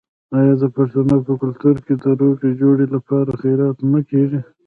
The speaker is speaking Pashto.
آیا د پښتنو په کلتور کې د روغې جوړې لپاره خیرات نه کیږي؟